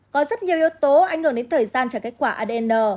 có rất nhiều yếu tố ảnh hưởng đến thời gian trả kết quả adn